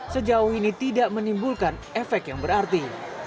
sejauh ini tidak menimbulkan efek yang berarti